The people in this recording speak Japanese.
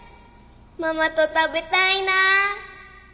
ママと食べたいなあ。